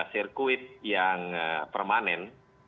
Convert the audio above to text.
sirkuit yang permanen